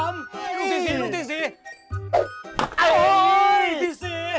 โรคที่๔